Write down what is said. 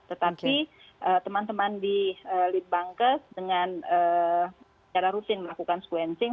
tetapi teman teman di litbangkes dengan secara rutin melakukan sequencing